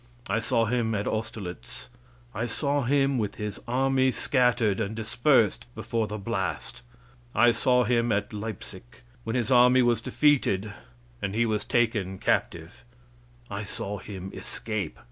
I saw him at Austerlitz. I saw him with his army scattered and dispersed before the blast. I saw him at Leipsic when his army was defeated and he was taken captive. I saw him escape.